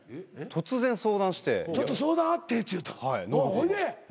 ほいで？